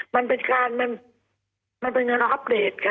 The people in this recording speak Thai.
มันเป็นการมันเป็นเงินอัปเดตไง